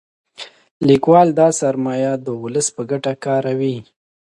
لیکوال دا سرمایه د ولس په ګټه کاروي.